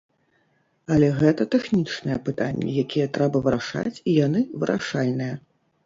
Але гэта тэхнічныя пытанні, якія трэба вырашаць і яны вырашальныя.